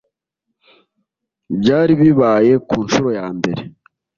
byari bibaye ku ncuro ya mbere